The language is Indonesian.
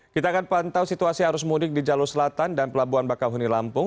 kita akan pantau situasi arus mudik di jalur selatan dan pelabuhan bakahuni lampung